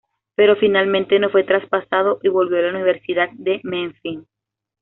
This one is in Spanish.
Pero finalmente no fue traspasado y volvió a la Universidad de Memphis.